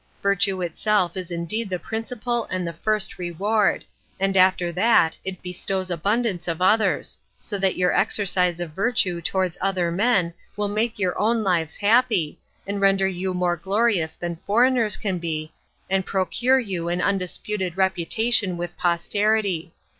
Virtue itself is indeed the principal and the first reward, and after that it bestows abundance of others; so that your exercise of virtue towards other men will make your own lives happy, and render you more glorious than foreigners can be, and procure you an undisputed reputation with posterity.